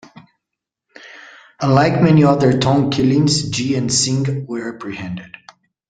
Unlike many other Tong killings, Gee and Sing were apprehended.